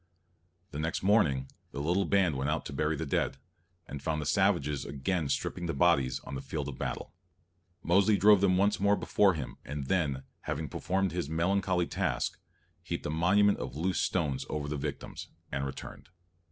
The next morning, the little band went out to bury the dead, and found the savages again stripping the bodies on the field of battle. Mosely drove them once more before him, and then, having performed his melancholy task, heaped a monument of loose stones over the victims, and returned.